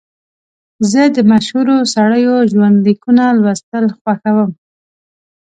زه د مشهورو سړیو ژوند لیکونه لوستل خوښوم.